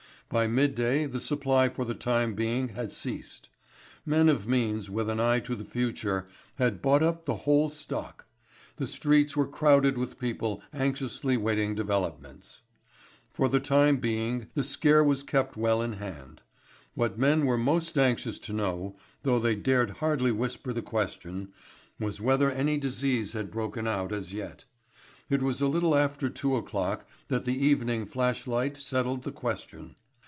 By midday the supply for the time being had ceased. Men of means with an eye to the future had bought up the whole stock. The streets were crowded with people anxiously waiting developments. For the time being the scare was kept well in hand. What men were most anxious to know, though they dared hardly whisper the question, was whether any disease had broken out as yet. It was a little after two o'clock that the Evening Flashlight settled the question.